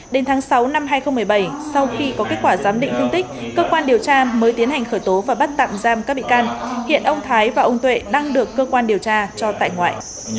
đến tháng sáu năm hai nghìn một mươi bảy sau khi có kết quả giám định thương tích cơ quan điều tra mới tiến hành khởi tố và bắt tạm giam các bị can hiện ông thái và ông tuệ đang được cơ quan điều tra cho tại ngoại